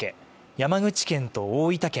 山口県と大分県